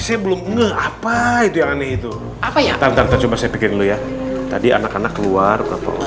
saya belum nge apa itu yang aneh itu apa ya tantangan coba saya pikir dulu ya tadi anak anak keluar